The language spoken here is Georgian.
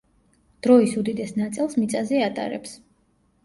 დროის უდიდეს ნაწილს მიწაზე ატარებს.